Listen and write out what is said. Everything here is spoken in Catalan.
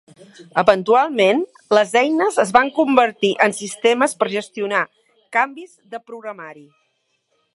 Eventualment, les eines es van convertir en sistemes per gestionar canvis de programari.